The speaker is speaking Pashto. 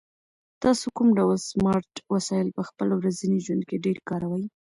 تاسو کوم ډول سمارټ وسایل په خپل ورځني ژوند کې ډېر کاروئ؟